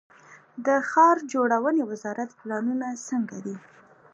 د ښار جوړونې وزارت پلانونه څنګه دي؟